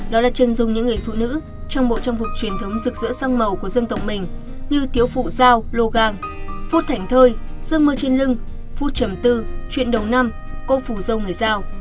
đó là chân dung những người phụ nữ trong bộ trang phục truyền thống rực rỡ sang màu của dân tộc mình như tiếu phụ giao lô gang phút thảnh thơi dương mơ trên lưng phút trầm tư chuyện đầu năm cô phủ dâu người giao